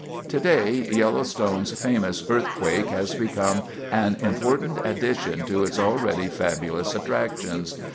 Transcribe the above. Today, Yellowstone's famous earthquake has become an important addition to its already fabulous attractions.